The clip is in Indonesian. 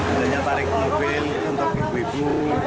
sebenarnya tarik mobil untuk ibu ibu